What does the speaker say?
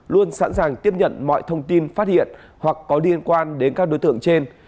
luôn sẵn sàng tiếp nhận mọi thông tin phát hiện hoặc có liên quan đến các đối tượng trên